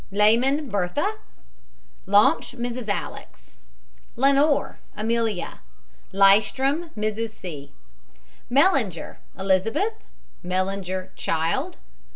LEHMAN, BERTHA. LAUCH, MRS. ALEX. LANIORE, AMELIA. LYSTROM, MRS. C. MELLINGER, ELIZABETH. MELLINGER, child.